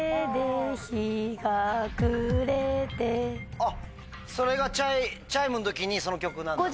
あっそれがチャイムの時にその曲なんだ？